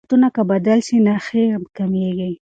عادتونه که بدل شي نښې کمېږي.